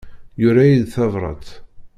Yura-yi-d tabrat.